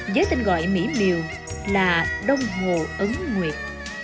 với tên gọi mỹ miều là đông hồ ấn nguyệt